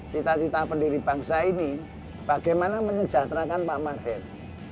cita cita pendiri bangsa ini bagaimana menyejahterakan pak mardin